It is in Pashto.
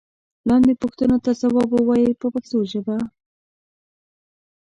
لاندې پوښتنو ته ځواب و وایئ په پښتو ژبه.